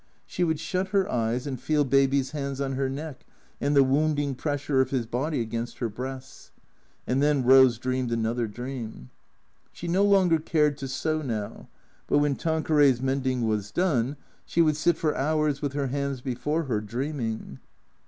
She would shut her eyes and feel Baby's hands on her neck, and the wound ing pressure of his body against her breasts. And then Rose dreamed another dream. She no longer cared to sew now, but when Tanqueray's mend ing was done, she would sit for hours with her hands before her, dreaming.